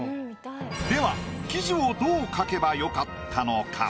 では生地をどう描けば良かったのか？